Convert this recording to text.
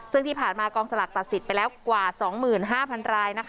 ซึ่งที่ผ่านมากองสลากตัดสิทธิ์ไปแล้วกว่า๒๕๐๐ราย